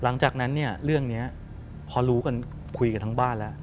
หลังจากนั้นเนี่ยเรื่องนี้พอรู้กันคุยกันทั้งบ้านแล้ว